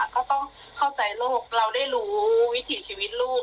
ก็ต้องเข้าใจโลกเราได้รู้วิถีชีวิตลูก